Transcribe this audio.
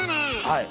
はい。